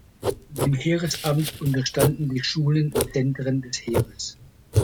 Dem Heeresamt unterstanden die Schulen und Zentren des Heeres.